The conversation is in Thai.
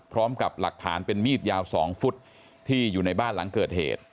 พร้อมกับหลักฐานเป็นมีดยาว๒ฟุตที่อยู่ในบ้านหลังเกิดเหตุ